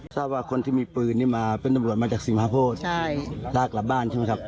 สาวกับคนที่มีปืนที่มาเป็นอำรวจมายักษ์ศรีมหาโพศมาแล้วกลับบ้านใช่ไหมครับ